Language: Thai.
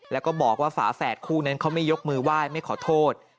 แล้วก็บอกว่าฝาแฝดคู่นั้นเขาไม่ยกมือไหว้ไม่ขอโทษ